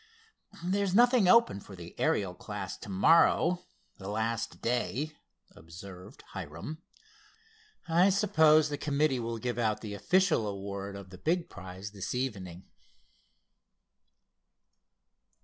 "There's nothing open for the Ariel class to morrow, the last day," observed Hiram. "I suppose the committee will give out the official award of the big prize this evening."